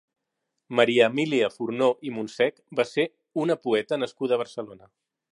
Maria Emília Furnó i Monsech va ser una poeta nascuda a Barcelona.